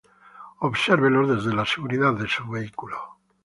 Obsérvelos desde la seguridad de su vehículo.